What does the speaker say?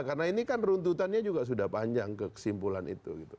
karena ini kan runtutannya juga sudah panjang ke kesimpulan itu gitu